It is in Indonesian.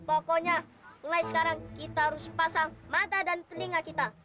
pokoknya mulai sekarang kita harus pasang mata dan telinga kita